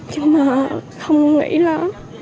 nhưng mà không nghĩ là